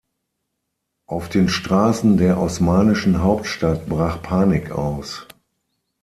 Auf den Straßen der osmanischen Hauptstadt brach Panik aus.